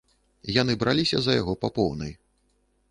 Яны браліся за яго па поўнай.